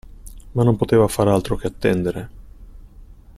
Ma non poteva far altro che attendere.